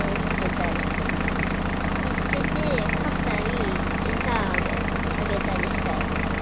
みつけてかったりえさをあげたりしたい。